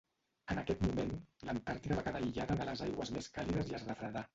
En aquest moment l'Antàrtida va quedar aïllada de les aigües més càlides i es refredà.